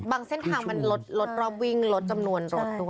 บางเส้นทางลดรอบวิ่งลดจำนวนรถ